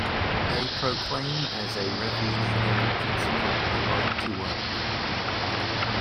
They proclaim as a revolutionary principle the Right to Work.